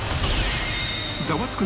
ザワつく！